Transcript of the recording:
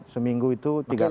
seminggu itu tiga kali